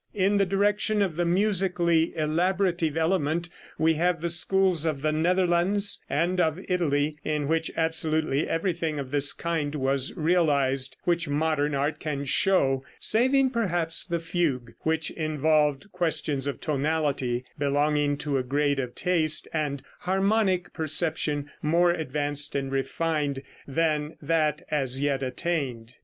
In the direction of the musically elaborative element we have the schools of the Netherlands and of Italy, in which absolutely everything of this kind was realized which modern art can show, saving perhaps the fugue, which involved questions of tonality belonging to a grade of taste and harmonic perception more advanced and refined than that as yet attained.